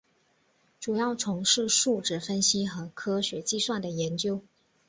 主要从事数值分析和科学计算的研究。